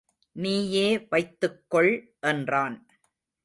நீயே வைத்துக் கொள் என்றான்.